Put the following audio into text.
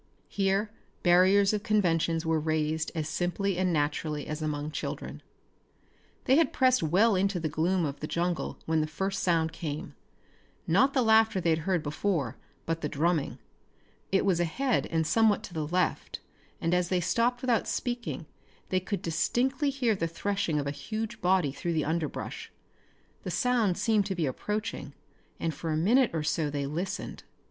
Here barriers of conventions were razed as simply and naturally as among children. They had pressed well into the gloom of the jungle when the first sound came. Not the laughter they had heard before, but the drumming. It was ahead and somewhat to the left, and as they stopped without speaking they could distinctly hear the threshing of a huge body through the underbrush. The sound seemed to be approaching and for a minute or so they listened.